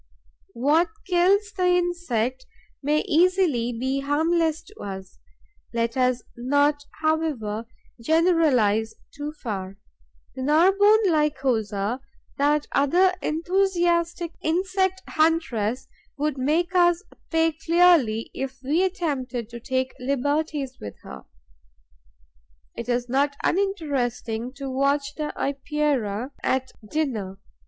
What kills the insect may easily be harmless to us. Let us not, however, generalize too far. The Narbonne Lycosa, that other enthusiastic insect huntress, would make us pay clearly if we attempted to take liberties with her. It is not uninteresting to watch the Epeira at dinner.